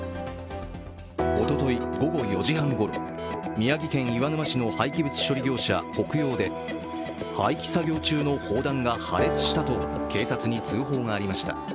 おととい、午後４時半ごろ宮城県岩沼市の廃棄物処理業者北陽で廃棄作業中の砲弾が破裂したと警察に通報がありました。